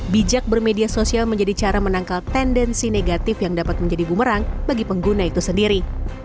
bijak bermedia sosial menjadi cara menangkal tendensi negatif yang dapat menjadi bumerang bagi pengguna itu sendiri